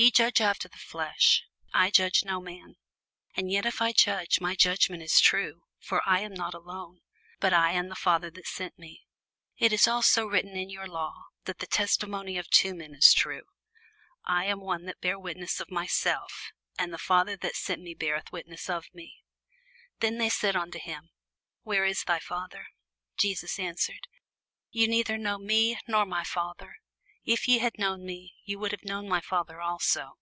Ye judge after the flesh; I judge no man. And yet if I judge, my judgment is true: for I am not alone, but I and the Father that sent me. It is also written in your law, that the testimony of two men is true. I am one that bear witness of myself, and the Father that sent me beareth witness of me. Then said they unto him, Where is thy Father? Jesus answered, Ye neither know me, nor my Father: if ye had known me, ye should have known my Father also.